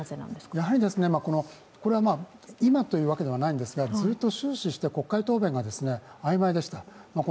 やはり今というわけではないんですが、ずっと終始国会答弁が曖昧でした。